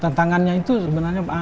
tantangannya itu sebenarnya